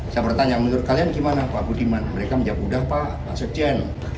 saya bertanya menurut kalian gimana pak budiman mereka menjawab udah pak sekjen